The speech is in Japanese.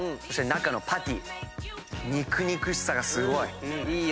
そして中のパティ肉肉しさがすごい。